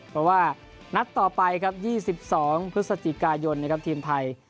เพราะว่านัดต่อไป๒๒พฤศจิกายนทีมไทย